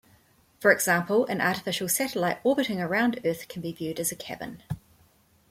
For example, an artificial satellite orbiting around earth can be viewed as a cabin.